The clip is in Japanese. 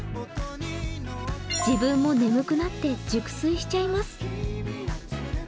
自分も眠くなって熟睡しちゃいます。